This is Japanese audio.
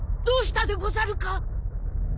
どうしたでござるか？